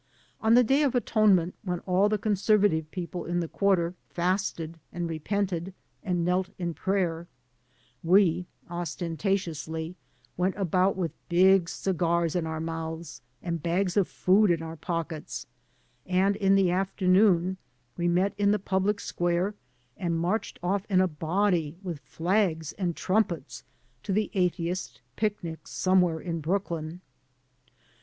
On the Day of Atonement, when all the conservative people of the quarter fasted and repented and knelt in prayer, we ostentatiously went about with big cigars in our mouths and bags of food in our pockets; and in the afternoon we met in the public square and marched off in a body with flags and trumpets to the atheist picnic somewhere in Brooklyn.